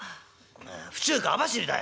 「府中か網走だ」。